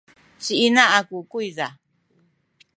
ci ina aku kuyza